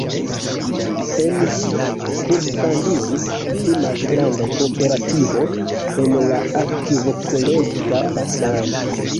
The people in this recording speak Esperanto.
En ĝi kunfandiĝis pli malgrandaj kooperativoj en la akvokolekta baseno.